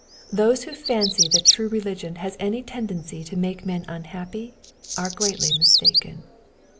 Those who fancy that true religion has any ten dency to make men unhappy, are greatly mistaken.